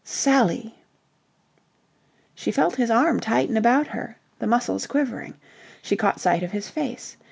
"Sally!" She felt his arm tighten about her, the muscles quivering. She caught sight of his face.